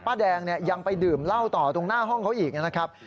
แดงเนี่ยยังไปดื่มเหล้าต่อตรงหน้าห้องเขาอีกนะครับ